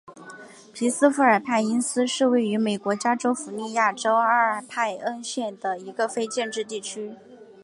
皮斯富尔派因斯是位于美国加利福尼亚州阿尔派恩县的一个非建制地区。